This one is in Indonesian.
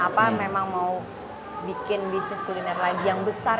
apa memang mau bikin bisnis kuliner lagi yang besar